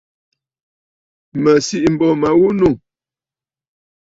Mə̀ sìʼî m̀bô ma ghu nû.